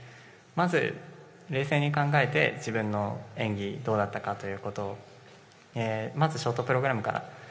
まず冷静に考えて自分の演技どうだったかということ、まずショートプログラムから。